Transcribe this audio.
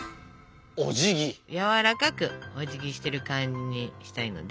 やわらかくおじぎしてる感じにしたいので。